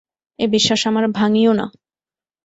এ বিশ্বাস আমার ভাঙিও না!